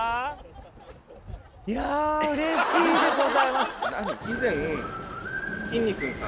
いやうれしいでございます。